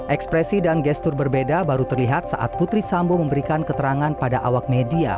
ekspresi dan gestur berbeda baru terlihat saat putri sambo memberikan keterangan pada awak media